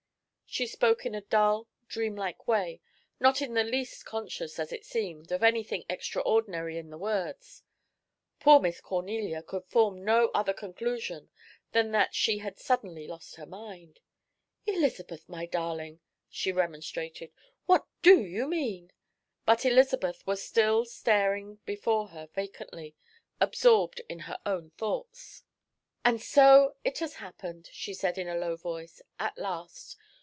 She spoke in a dull, dream like way, not in the least conscious, as it seemed, of anything extraordinary in the words. Poor Miss Cornelia could form no other conclusion than that she had suddenly lost her mind. "Elizabeth, my darling," she remonstrated, "what do you mean?" But Elizabeth was still staring before her vacantly, absorbed in her own thoughts. "And so it has happened!" she said, in a low voice, "at last!